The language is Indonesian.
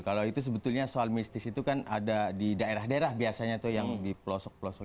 kalau itu sebetulnya soal mistis itu kan ada di daerah daerah biasanya tuh yang di pelosok pelosok